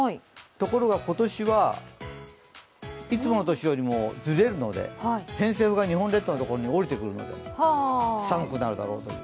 ところが今年はいつもの年よりもずれるので偏西風が日本列島のところに降りてくるので寒くなるだろうと。